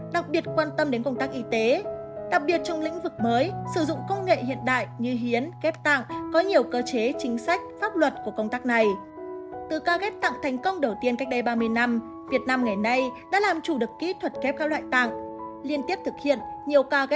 đã kịp thời lấy vận chuyển và ghép tạng thành công cho bảy người tại bệnh viện hữu nghị việt đức